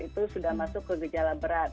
itu sudah masuk ke gejala berat